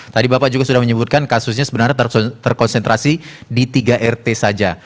tadi bapak juga sudah menyebutkan kasusnya sebenarnya terkonsentrasi di tiga rt saja